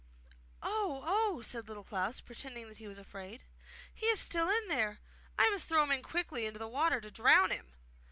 'Oh, oh!' said Little Klaus, pretending that he was afraid. 'He is still in there! I must throw him quickly into the water to drown him!